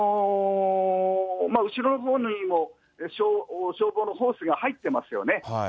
後ろのほうにも消防のホースが入ってますよね。